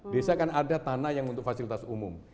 desa kan ada tanah yang untuk fasilitas umum